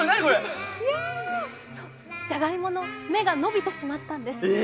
じゃがいもの芽が伸びてしまったんです。